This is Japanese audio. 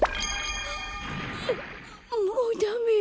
もうダメよ。